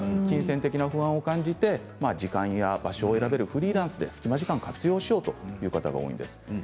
金銭的な不安を感じて時間や場所を選べるフリーランスで隙間時間を活用しようという方が多いんです。